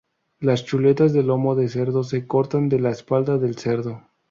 Las chuletas de lomo de cerdo se cortan de la espalda del cerdo.